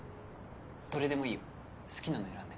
どれでもいいよ好きなの選んで。